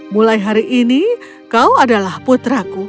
mulai hari ini kau adalah putraku